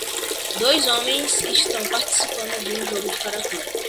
Dois homens estão participando de um jogo de karatê.